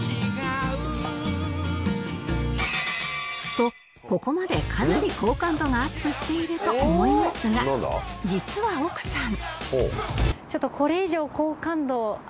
とここまでかなり好感度がアップしていると思いますが実は奥さん